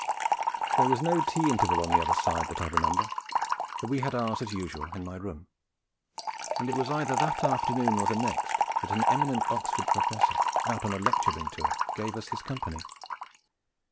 There was no tea interval on the other side, that I remember; but we had ours as usual in my room, and it was either that afternoon or the next that an eminent Oxford professor, out on a lecturing tour, gave us his company.